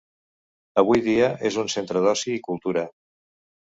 Avui dia és un centre d'oci i cultura.